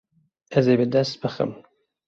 Ez ê bi dest bixim.